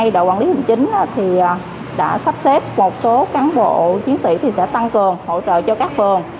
đội quản lý hình chính đã sắp xếp một số cán bộ chiến sĩ sẽ tăng cường hỗ trợ cho các phường